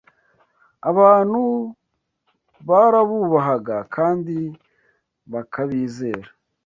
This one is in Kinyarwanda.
Abantu barabubahaga kandi bakabizera